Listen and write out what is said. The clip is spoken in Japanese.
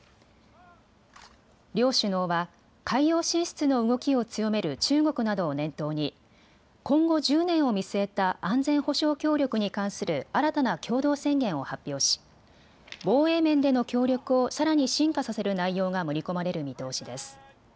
両首脳は海洋進出の動きを強める中国などを念頭に今後１０年を見据えた安全保障協力に関する新たな共同宣言を発表し防衛面での協力をさらに深化させる内容が盛り込まれる見通しです。